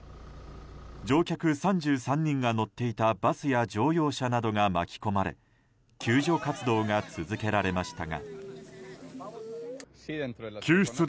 乗客３３人が乗っていたバスや乗用車などが巻き込まれ救助活動が続けられましたが。